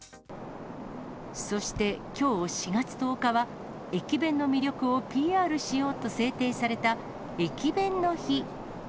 そしてきょう、４月１０日は駅弁の魅力をＰＲしようと制定された駅弁の日。